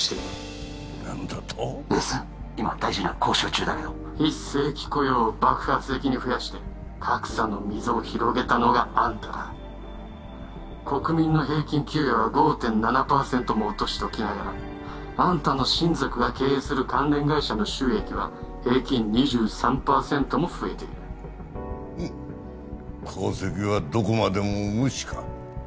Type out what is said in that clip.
今大事な交渉中だけど非正規雇用を爆発的に増やして格差の溝を広げたのがあんただ国民の平均給与は５．７パーセントも落としておきながらあんたの親族が経営する関連会社の収益は平均２３パーセントも増えている功績はどこまでも無視か？